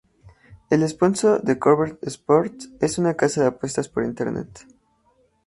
El sponsor es Corbett Sports, una casa de apuestas por Internet.